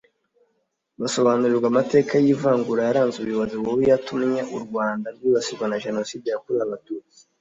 basobanurirwa amateka y’ivangura yaranze ubuyobozi bubi yatumye u Rwanda rwibasirwa na Jenoside yakorewe Abatutsi